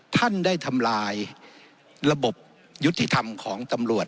ท่านได้ทำลายระบบยุติธรรมของตำรวจ